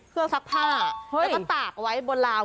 เครื่องซักผ้าแล้วก็ตากไว้บนราว